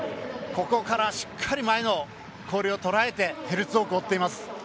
ここからしっかり前の氷をとらえてヘルツォークを追っています。